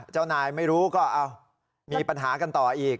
เจ้านายไม่รู้ก็มีปัญหากันต่ออีก